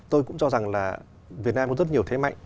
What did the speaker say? tôi cũng cho rằng là việt nam có rất nhiều thế mạnh